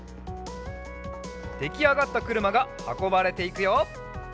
できあがったくるまがはこばれていくよ。